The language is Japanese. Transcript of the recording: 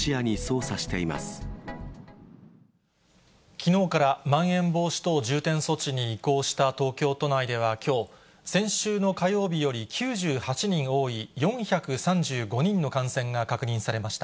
きのうから、まん延防止等重点措置に移行した東京都内ではきょう、先週の火曜日より９８人多い４３５人の感染が確認されました。